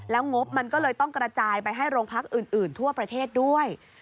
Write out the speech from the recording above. งบมันก็เลยต้องกระจายไปให้โรงพักอื่นทั่วประเทศด้วย